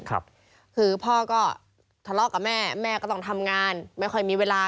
คือพ่อก็ทะเลาะกับแม่แม่ก็ต้องทำงานไม่ค่อยมีเวลา